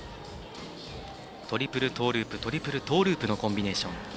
トリプルトーループトリプルトーループのコンビネーション。